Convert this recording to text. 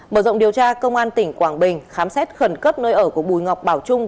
mở rộng điều tra công an tỉnh quảng bình khám xét khẩn cấp nơi ở của bùi ngọc bảo trung